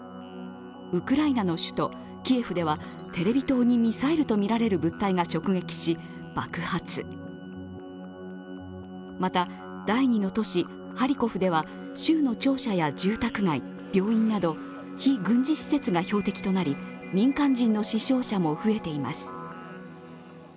ウクライナの首都キエフではテレビ塔にミサイルとみられるまた、第２の都市、ハリコフでは州の庁舎や住宅街、病院など非軍事施設が標的となり民間人の死傷者も増えています。